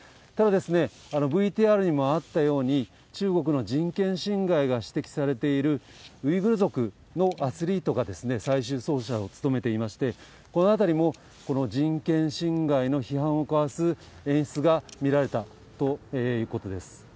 ただ、ＶＴＲにもあったように、中国の人権侵害が指摘されているウイグル族のアスリートが最終走者を務めていまして、このあたりも、この人権侵害の批判をかわす演出が見られたということです。